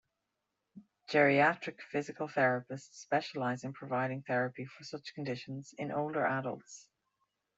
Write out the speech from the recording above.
Geriatric physical therapists specialize in providing therapy for such conditions in older adults.